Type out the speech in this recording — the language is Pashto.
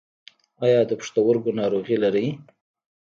ایا د پښتورګو ناروغي لرئ؟